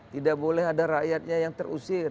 tidak boleh ada rakyatnya yang terusir